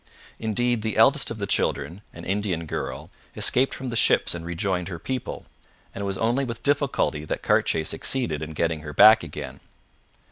Indeed, the eldest of the children, an Indian girl, escaped from the ships and rejoined her people, and it was only with difficulty that Cartier succeeded in getting her back again.